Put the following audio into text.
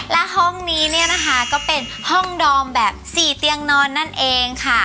แล้วห้องนี้ก็เป็นห้องดอมแบบ๔เตียงนอน